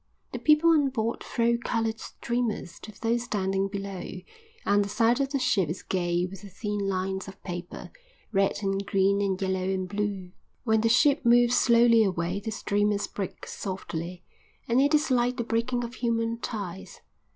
The people on board throw coloured streamers to those standing below, and the side of the ship is gay with the thin lines of paper, red and green and yellow and blue. When the ship moves slowly away the streamers break softly, and it is like the breaking of human ties.